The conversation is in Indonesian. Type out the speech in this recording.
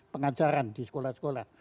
pengajaran di sekolah sekolah